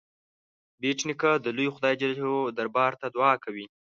بېټ نیکه د لوی خدای جل جلاله دربار ته دعا کوي.